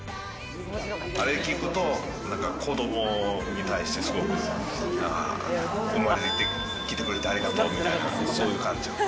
あれ聴くと、なんか子どもに対してすごく生まれてきてくれてありがとうみたいな、そういう感じ。